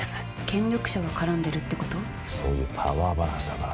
権力者が絡んでるってこと？